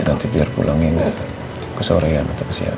ya nanti biar pulangnya gak kesorean atau kesian